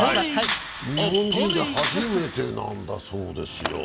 日本人で初めてなんだそうですよ。